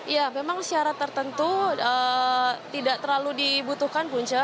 ya memang syarat tertentu tidak terlalu dibutuhkan punca